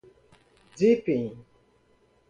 deepin